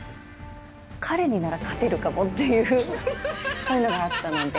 彼になら勝てるかもって、そんなのがあったので。